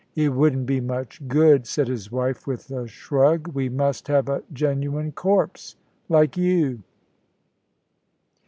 "It wouldn't be much good," said his wife, with a shrug. "We must have a genuine corpse like you."